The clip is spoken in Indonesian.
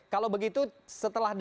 kalau begitu setelah denda